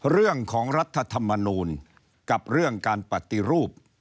รัฐธรรมนูลกับเรื่องการปฏิรูป